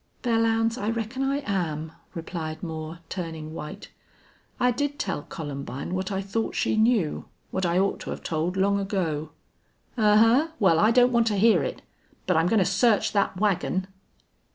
"Belllounds, I reckon I am," replied Moore, turning white. "I did tell Columbine what I thought she knew what I ought to have told long ago." "Ahuh! Well, I don't want to hear it. But I'm going to search that wagon."